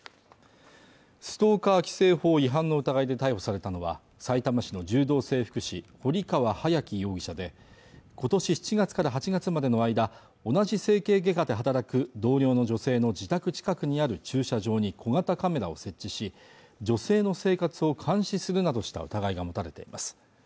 ストーカー規制法違反の疑いで逮捕されたのはさいたま市の柔道整復師・堀川隼貴容疑者で今年７月から８月までの間同じ整形外科で働く同僚の女性の自宅近くにある駐車場に小型カメラを設置し女性の生活を監視するなどした疑いが持たれています